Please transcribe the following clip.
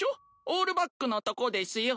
オールバックのとこですよ。